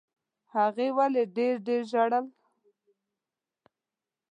هغې ولي ډېر ډېر ژړل؟